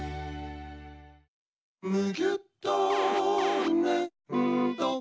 「むぎゅっとねんど」